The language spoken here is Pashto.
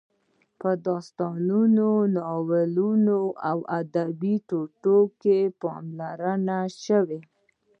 په داستانونو، ناولونو او ادبي ټوټو کې پاملرنه شوې.